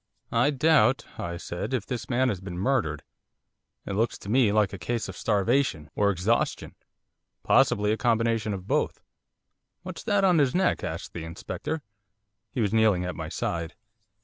'I doubt,' I said, 'if this man has been murdered. It looks to me like a case of starvation, or exhaustion, possibly a combination of both.' 'What's that on his neck?' asked the Inspector, he was kneeling at my side.